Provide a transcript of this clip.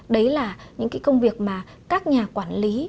đấy là những cái công việc mà các nhà quản lý